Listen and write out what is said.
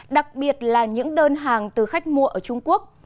đặc biệt là những đơn hàng từ khách mua ở trung quốc